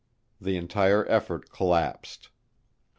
The entire effort collapsed.